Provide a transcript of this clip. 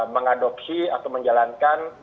mengadopsi atau menjalankan